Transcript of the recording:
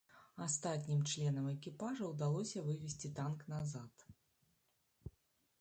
Астатнім членам экіпажа ўдалося вывесці танк назад.